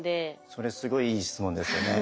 それすごいいい質問ですよね。